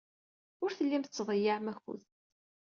Ur tellim tettḍeyyiɛem akud.